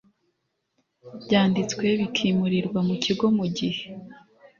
byanditswe bikimurirwa mu kigo mu gihe